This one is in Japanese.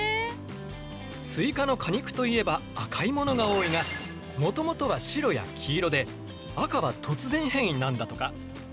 スイカの果肉といえば赤いものが多いがもともとは白や黄色で赤は突然変異なんだとか。